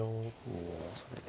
おそれで。